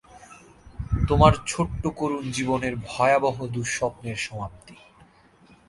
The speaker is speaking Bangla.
তোমার ছোট্ট করুণ জীবনের ভয়াবহ দুঃস্বপ্নের সমাপ্তি।